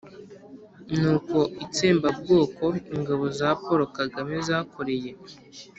n'uko itsembabwoko ingabo za Paul Kagame zakoreye